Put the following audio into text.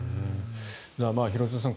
廣津留さん